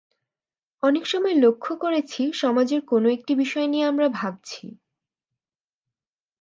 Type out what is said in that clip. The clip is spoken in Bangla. অনেক সময় লক্ষ করেছি, সমাজের কোনো একটি বিষয় নিয়ে আমরা ভাবছি।